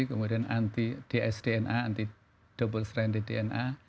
kemudian anti dsdna anti double stranded dna